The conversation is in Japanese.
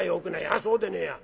「ああそうでねえや。